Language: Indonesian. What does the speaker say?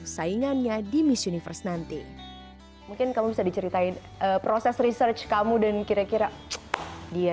saingannya di miss universe nanti mungkin kamu bisa diceritain proses research kamu dan kira kira dia